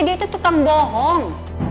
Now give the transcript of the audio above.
dia tuh tukang bohong